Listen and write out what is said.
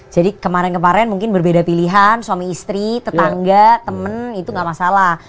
jadi kemarin kemarin mungkin berbeda pilihan suami istri tetangga temen itu enggak masalah